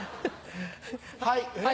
はい！